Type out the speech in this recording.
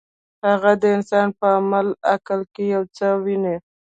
هغه د انسان په عملي عقل کې یو څه ویني.